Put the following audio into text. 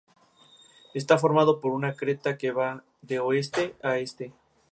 Está formado por una creta que va de oeste a este.